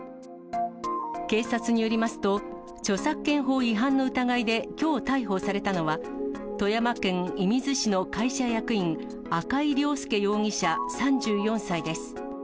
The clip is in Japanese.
警察によりますと、著作権法違反の疑いできょう逮捕されたのは、富山県射水市の会社役員、赤井亮介容疑者３４歳です。